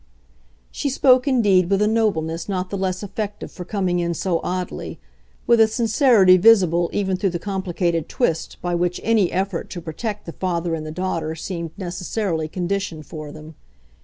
She spoke indeed with a nobleness not the less effective for coming in so oddly; with a sincerity visible even through the complicated twist by which any effort to protect the father and the daughter seemed necessarily conditioned for them.